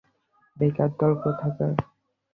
বোকার দল কোথাকার, ভেবেছ আমাকে তোমরা হারাতে পারবে।